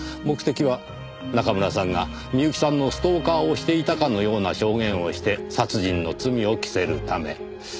目的は中村さんが美由紀さんのストーカーをしていたかのような証言をして殺人の罪を着せるため。